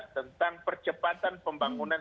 tentang percepatan pembangunan